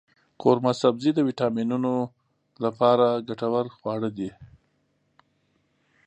قورمه سبزي د ویټامینونو لپاره ګټور خواړه دی.